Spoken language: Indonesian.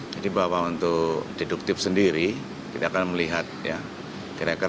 jadi bahwa untuk deduktif sendiri kita akan melihat ya